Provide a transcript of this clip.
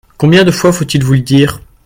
Combien de fois faut-il vous le dire ?